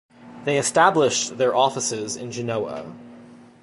They established their offices in Genoa.